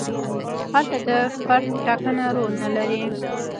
هلته د فرد ټاکنه رول نه لري.